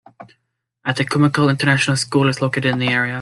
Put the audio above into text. A'takamul International School is located in the area.